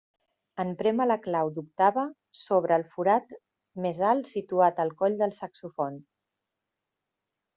En prémer la clau d'octava s'obre el forat més alt situat al coll del saxofon.